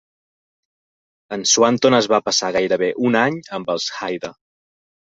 En Swanton es va passar gairebé un any amb els Haida.